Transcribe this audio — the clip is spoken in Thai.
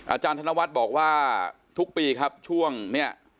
อาจารย์ธนวัฒน์บอกว่าทุกปีครับช่วงนี้